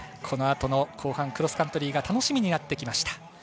このあとの後半クロスカントリーが楽しみになってきました。